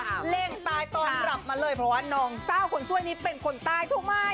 ก่อนนะครับวะเล่งตายตอนกลับมาเลยเพราะว่าน้องเศร้าขนสวยนี้เป็นคนตายถูกมั้ย